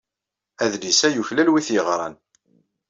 Adlis-a yuklal wi t-yeɣran.